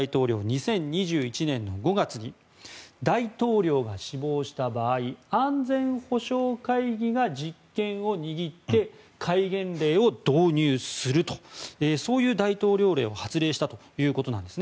２０２１年５月に大統領が死亡した場合安全保障会議が実権を握って戒厳令を導入するとそういう大統領令を発令したということです。